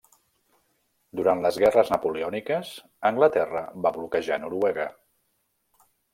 Durant les Guerres Napoleòniques, Anglaterra va bloquejar Noruega.